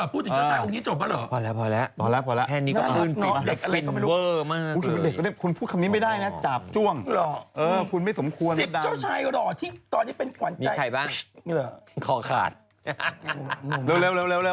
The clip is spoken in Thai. พูดถึงเจ้าชายองค์นี้จบป่ะเหรอ